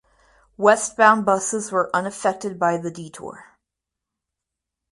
Westbound buses were unaffected by the detour.